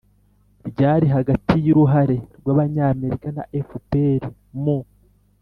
ryari hagati y'uruhare rw'abanyamerika na fpr mu